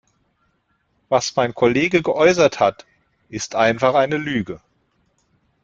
Was mein Kollege geäußert hat, ist einfach eine Lüge.